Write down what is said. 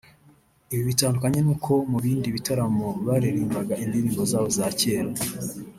Ibi bitandukanye n’uko mu bindi bitaramo baririmbaga indirimbo zabo za kera